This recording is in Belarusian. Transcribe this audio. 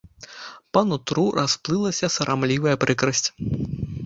Па нутру расплылася сарамлівая прыкрасць.